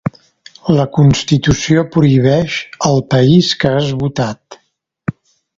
La constitució prohibeix el país que has votat.